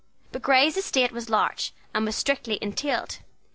But Grey's estate was large and was strictly entailed.